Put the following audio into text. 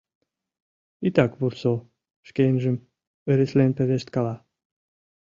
Итак вурсо! — шкенжым ыреслен пелешткала.